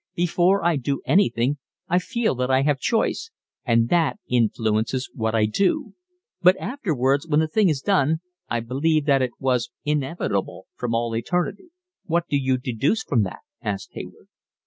Before I do anything I feel that I have choice, and that influences what I do; but afterwards, when the thing is done, I believe that it was inevitable from all eternity." "What do you deduce from that?" asked Hayward.